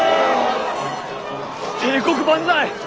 帝国万歳。